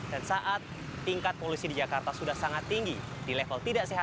dan saat tingkat polusi di jakarta sudah sangat tinggi di level tidak sehat atau tidak sehat